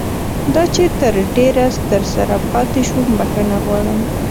دا چې تر ډېره درسره پاتې شوم بښنه غواړم.